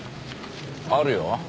あるよ。